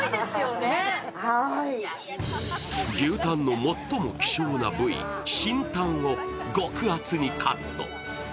牛タンの最も希少な部位、芯タンを極厚にカット。